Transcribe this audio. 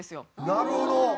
なるほど！